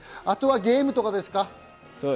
あとはゲームとかですか？